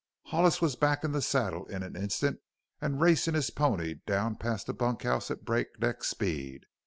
Hollis was back in the saddle in an instant and racing his pony down past the bunk house at break neck speed.